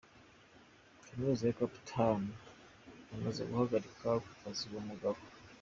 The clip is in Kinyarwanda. Kaminuza ya Cape Town yamaze guhagarika ku kazi uwo mugabo.